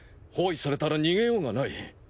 包囲されたら逃げようがない。